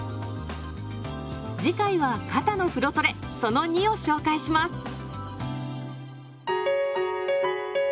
次回は肩の風呂トレその２を紹介します。